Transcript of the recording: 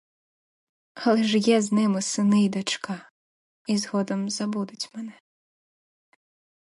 Але ж є з ними сини й дочка, і згодом забудуть мене.